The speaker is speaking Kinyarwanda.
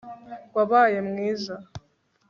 Wabaye mwiza